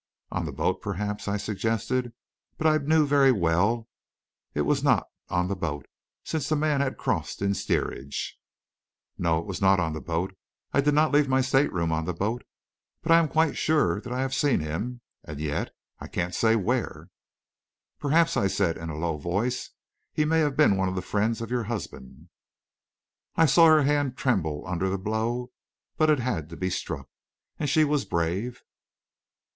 "On the boat, perhaps," I suggested, but I knew very well it was not on the boat, since the man had crossed in the steerage. "No; it was not on the boat. I did not leave my stateroom on the boat. But I am quite sure that I have seen him and yet I can't say where." "Perhaps," I said, in a low voice, "he may have been one of the friends of your husband." I saw her hand tremble under the blow, but it had to be struck. And she was brave.